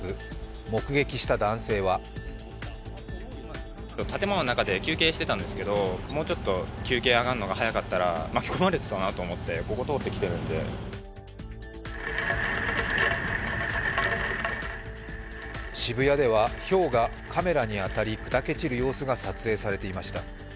目撃した男性は渋谷ではひょうがカメラに当たり砕け散る様子が撮影されていました。